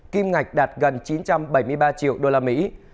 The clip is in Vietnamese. kim ngạch đạt gần chín trăm bảy mươi ba triệu usd